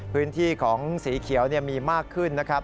พื้นที่ของสีเขียวมีมากขึ้นนะครับ